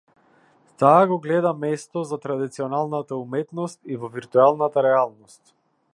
Таа го гледа место за традиционалната уметност и во виртуелната реалност.